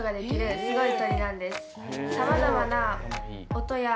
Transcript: へすごい！